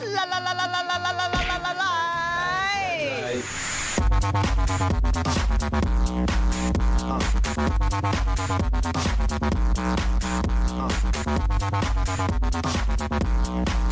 ละละละละลาย